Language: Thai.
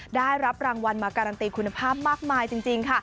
ได้รับรางวัลมาการันตีคุณภาพมากมายจริงค่ะ